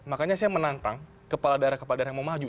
makanya saya menantang kepala daerah kepala daerah yang mau maju